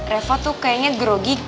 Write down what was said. reva tuh kayaknya grogi